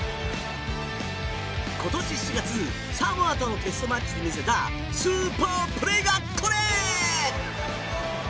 今年７月、サモアとのテストマッチで見せたスーパープレーがこれ。